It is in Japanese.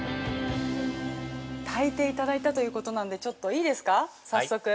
◆炊いていただいたということなんでちょっといいですか、早速。